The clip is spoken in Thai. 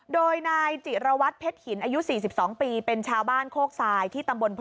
โดยนายจิระวัตธ์เผ็ดหินอายุ๔๒ปี